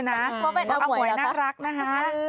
เพราะเป็นอาหมวยนะคะอาหมวยน่ารักนะคะ